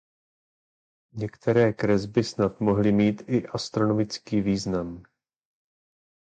Některé kresby snad mohly mít i astronomický význam.